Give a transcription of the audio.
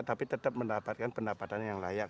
tapi tetap mendapatkan pendapatan yang layak